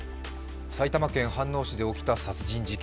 埼玉県飯能市で起きた殺人事件。